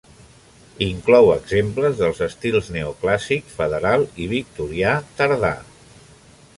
Inclou exemples dels estils Neoclàssic, Federal i Victorià tardà.